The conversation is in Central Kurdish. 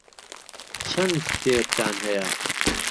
چەند کتێبتان هەیە؟